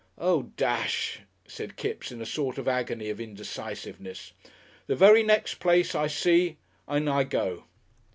"Oh, desh!" said Kipps, in a sort of agony of indecisiveness. "The very nex' place I see, in I go."